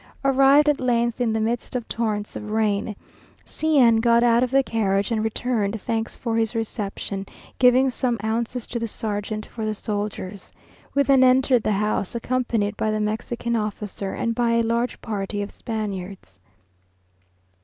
Arrived at length in the midst of torrents of rain, C n got out of the carriage and returned thanks for his reception, giving some ounces to the sergeant for the soldiers. We then entered the house, accompanied by the Mexican officer, and by a large party of Spaniards.